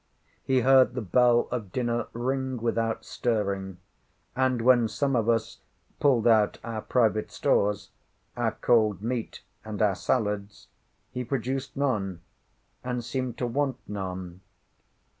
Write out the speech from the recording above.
He heard the bell of dinner ring without stirring; and when some of us pulled out our private stores—our cold meat and our salads—he produced none, and seemed to want none.